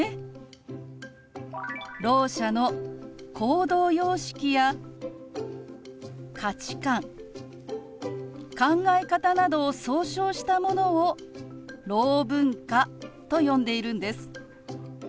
ろう者の行動様式や価値観考え方などを総称したものをろう文化と呼んでいるんです。